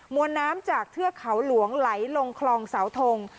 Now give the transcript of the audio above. วนน้ำจากเทือกเขาหลวงไหลลงคลองเสาทง